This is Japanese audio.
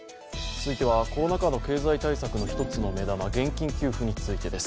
続いてはコロナ禍の経済対策の一つの目玉現金給付についてです。